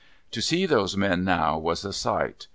To see those men now, was a sight.